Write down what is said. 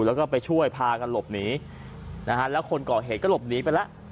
แล้วก็ไปช่วยพากันหลบหนีนะฮะแล้วคนก่อเหตุก็หลบหนีไปแล้ว